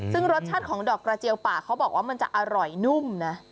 ซึ่งรสชาติของดอกกระเจียวป่าเขาบอกว่ามันจะอร่อยนุ่มนะ